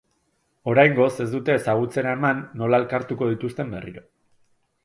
Oraingoz ez dute ezagutzera eman nola elkartuko dituzten berriro.